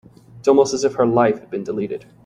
It was almost as if her life had been deleted.